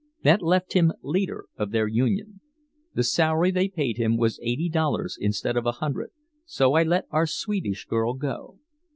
That left him leader of their union. The salary they paid him was eighty dollars instead of a hundred so I let our Swedish girl go.